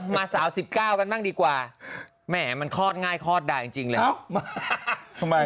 มาสาวสิบเก้ากันบ้างดีกว่าแหมมันคลอดง่ายคลอดได้จริงจริงเลย